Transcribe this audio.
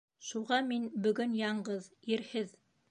Шуға мин бөгөн яңғыҙ, ирһеҙ!